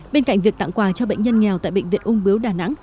bên cạnh việc tặng quà cho bệnh nhân nghèo tại bệnh viện ung biếu đà nẵng